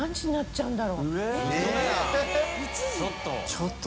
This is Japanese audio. ちょっと。